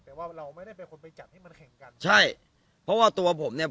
แต่ว่าเราไม่ได้เป็นคนไปจัดให้มันแข่งกันใช่เพราะว่าตัวผมเนี่ย